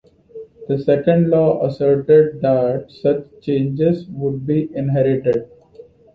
The second law asserted that such changes would be inherited.